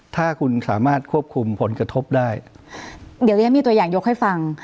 ถ้าคุณสามารถควบคุมผลกระทบได้เดี๋ยวดิฉันมีตัวอย่างยกให้ฟัง